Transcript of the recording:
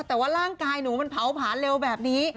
แต่ว่าร่างกายหนูมันเผาผาเร็วแบบนี้